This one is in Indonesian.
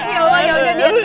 ya allah ya udah